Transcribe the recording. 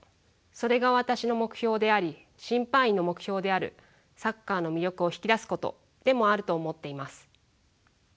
それが私の目標であり審判員の目標であるサッカーの魅力を引き出すことでもあると思っています。